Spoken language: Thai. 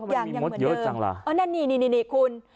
มันมีมดเยอะจังหรออ๋อนั่นนี่นี่นี่นี่คุณ